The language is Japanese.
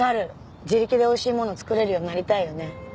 自力でおいしいもの作れるようになりたいよね。